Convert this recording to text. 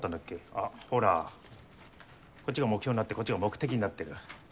あっほらこっちが「目標」になってこっちが「目的」になってる。